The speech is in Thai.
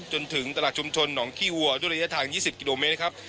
จนถึงตลาดชุมชนหนองขี้วัวด้วยระยะทาง๒๐กิโลเมตรนะครับ